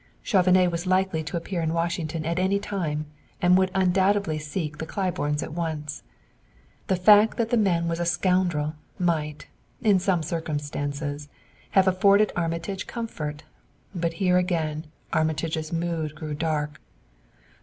Chauvenet was likely to appear in Washington at any time, and would undoubtedly seek the Claibornes at once. The fact that the man was a scoundrel might, in some circumstances, have afforded Armitage comfort, but here again Armitage's mood grew dark.